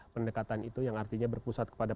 pendekatan itu yang artinya berpusat kepada